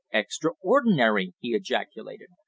"Extraordinary!" he ejaculated.